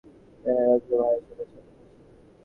ট্রেনে রতিলাল ভাই-এর সঙ্গে সাক্ষাৎ হয়েছিল।